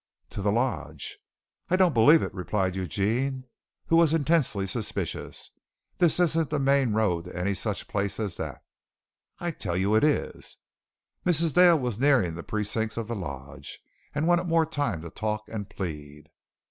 "To the lodge." "I don't believe it," replied Eugene, who was intensely suspicious. "This isn't a main road to any such place as that." "I tell you it is." Mrs. Dale was nearing the precincts of the lodge and wanted more time to talk and plead.